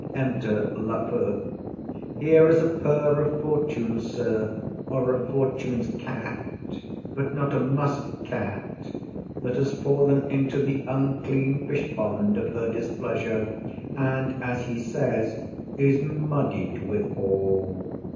Enter Lafew. Here is a pur of Fortune's, sir, or of Fortune's cat, but not a musk cat, that has fallen into the unclean fishpond of her displeasure, and as he says, is muddied withal.